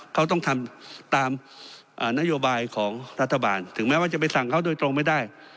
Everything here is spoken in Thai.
เขาต้องทำตามนโยบายของรัฐบาลถึงแม้ว่าจะไปสั่งเขาโดยตรงไม่ได้